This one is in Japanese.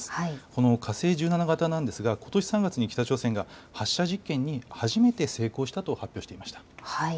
この火星１７型ですがことし３月に北朝鮮が発射実験に初めて成功したと発表していました。